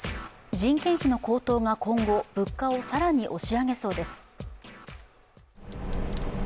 人件費の高騰が今後、物価を更に押し上げそうです。